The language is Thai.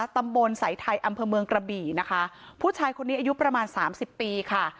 ตำบลสายไทยอำเภอเมืองกระบี่นะคะผู้ชายคนนี้อายุประมาณสามสิบปีค่ะ